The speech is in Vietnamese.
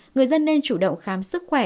người dân nên chủ động khám sức khỏe